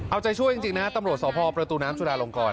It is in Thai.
เอาใจช่วยจริงนะฮะตำรวจสพประตูน้ำจุฬาลงกร